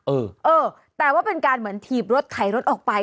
เออเออแต่ว่าเป็นการเหมือนถีบรถไถรถออกไป